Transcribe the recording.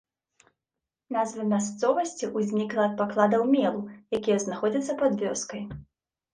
Назва мясцовасці ўзнікла ад пакладаў мелу, якія знаходзяцца пад вёскай.